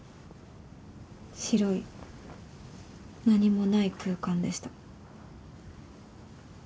白い何もない空間でした。